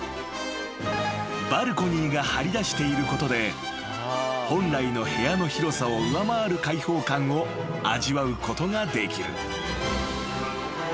［バルコニーが張り出していることで本来の部屋の広さを上回る開放感を味わうことができる］